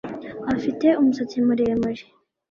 afite umusatsi muremure